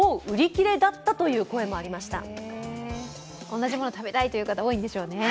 同じもの食べたいという方、多いんでしょうね。